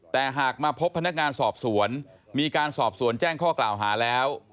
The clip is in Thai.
แต่หากมาพบพนักงานสอบสวนมีการสอบสวนแจ้งข้อกล่าวหาแล้ว